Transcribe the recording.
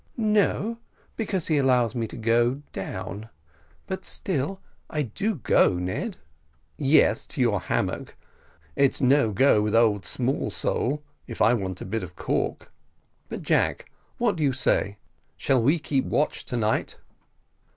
"No; because he allows me to go _down; _but still I do _go, _Ned." "Yes, to your hammock but it's no go with old Smallsole, if I want a bit of caulk. But, Jack, what do you say shall we keep watch to night?"